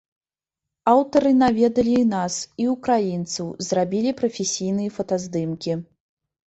Аўтары наведалі і нас, і ўкраінцаў, зрабілі прафесійныя фотаздымкі.